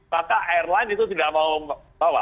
maka airline itu tidak mau bawa